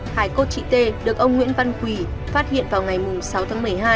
hải cốt chị t được ông nguyễn văn quỳ phát hiện vào ngày sáu tháng một mươi hai